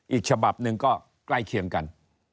อีกฉบับหนึ่งก็ใกล้เคียงกัน